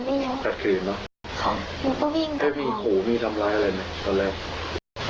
มีขู่มีทำร้ายอะไรไหมตอนแรก